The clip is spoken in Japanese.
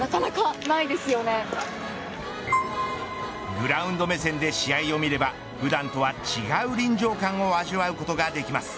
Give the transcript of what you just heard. グラウンド目線で試合を見れば普段とは違う臨場感を味わうことができます。